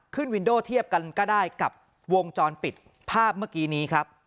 วินโดเทียบกันก็ได้กับวงจรปิดภาพเมื่อกี้นี้ครับ